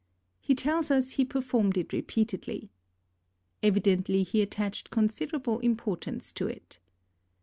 He tells us he performed it repeatedly. Evidently he attached considerable impor tance to it.